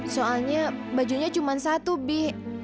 soalnya bajunya cuma satu bi